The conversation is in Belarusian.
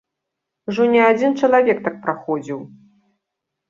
Ужо не адзін чалавек так праходзіў.